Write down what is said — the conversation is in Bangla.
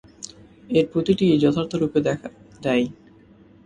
এর প্রতিটিই যথার্থরূপে দেখা দেয়।